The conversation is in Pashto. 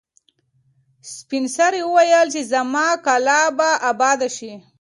سپین سرې وویل چې زما کلا به اباده شي.